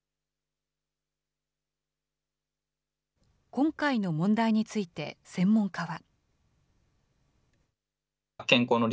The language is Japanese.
今回の問題について専門家は。